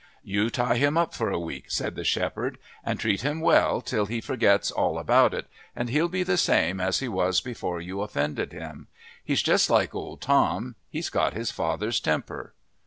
"You tie him up for a week," said the shepherd, "and treat him well till he forgets all about it, and he'll be the same as he was before you offended him. He's just like old Tom he's got his father's temper."